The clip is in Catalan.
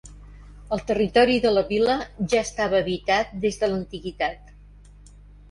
El territori de la vila ja estava habitat des de l'antiguitat.